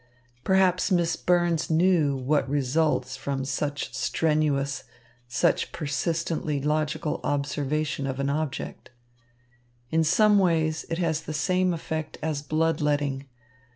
Perhaps Miss Burns knew what results from such strenuous, such persistently logical observation of an object. In some ways it has the same effect as blood letting.